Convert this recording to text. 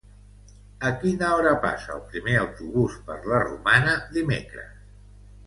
A quina hora passa el primer autobús per la Romana dimecres?